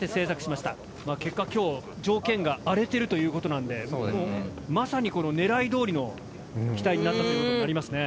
まあ結果今日条件が荒れてるという事なんでまさに狙い通りの機体になったという事になりますね。